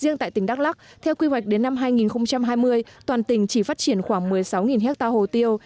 riêng tại tỉnh đắk lắc theo quy hoạch đến năm hai nghìn hai mươi toàn tỉnh chỉ phát triển khoảng một mươi sáu ha hồ tiêu